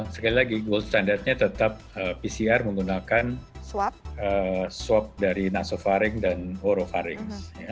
sekali lagi gold standardnya tetap pcr menggunakan swab dari nasofaring dan orofaring